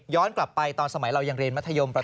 ย้อนกลับไปตอนสมัยเรายังเรียนมัธยมประถม